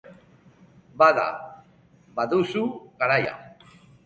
Bada, baduzu garaia.